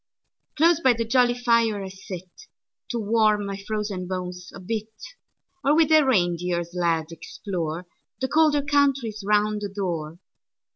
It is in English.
Close by the jolly fire I sitTo warm my frozen bones a bit; Or with a reindeer sled, exploreThe colder countries round the door.